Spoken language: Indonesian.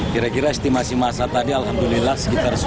kira kira estimasi masa tadi alhamdulillah sekitar sepuluh